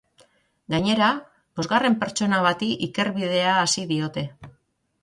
Gainera, bosgarren pertsona bati ikerbidea hasi diote.